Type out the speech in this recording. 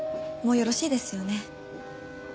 もうよろしいですよね。